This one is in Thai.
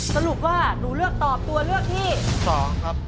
สรุปว่าหนูเลือกตอบตัวเลือกที่๒ครับ